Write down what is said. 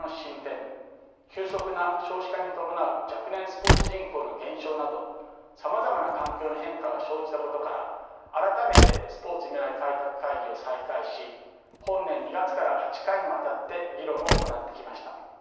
急速な少子化に伴う若年スポーツ人口の減少などさまざまな環境の変化が生じたことから改めてスポーツ未来開拓会議を再開し本年２月から８回にわたって議論を行ってきました。